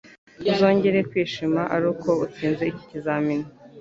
Uzongera kwishima aruko utsinze iki kizamini.